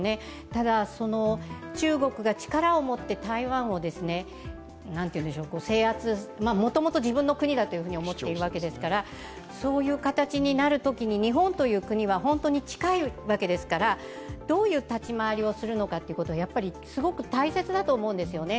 ただ、中国が力をもって台湾を制圧、もともと自分の国だと思っているわけですからそういう形になるときに日本という国は本当に近いわけですからどういう立ち回りをするのかはすごく大切だと思うんですよね。